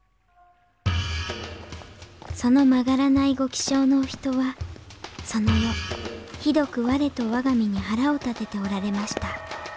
その曲がらないご気性のお人はその後ひどく我と我が身に腹を立てておられました。